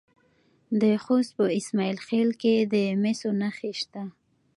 د خوست په اسماعیل خیل کې د مسو نښې شته.